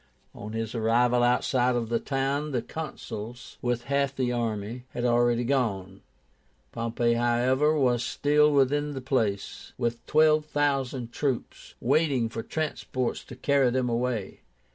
On his arrival outside of the town, the Consuls, with half the army, had already gone. Pompey, however, was still within the place, with twelve thousand troops, waiting for transports to carry them away.